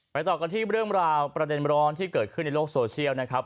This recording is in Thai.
ต่อกันที่เรื่องราวประเด็นร้อนที่เกิดขึ้นในโลกโซเชียลนะครับ